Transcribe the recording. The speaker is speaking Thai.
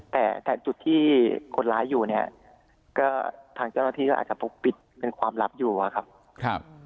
แต่จุดที่คนร้ายอยู่เนี่ยก็ทางเจ้าหน้าที่ก็อาจจะปกปิดเป็นความลับอยู่อะครับ